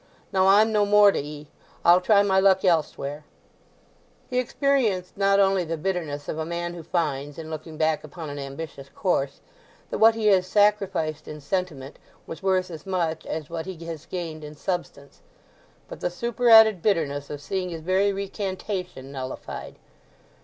Now I'm no more to 'ee—I'll try my luck elsewhere.'" He experienced not only the bitterness of a man who finds, in looking back upon an ambitious course, that what he has sacrificed in sentiment was worth as much as what he has gained in substance; but the superadded bitterness of seeing his very recantation nullified.